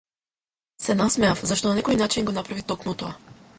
Се насмеав, зашто на некој начин го направи токму тоа.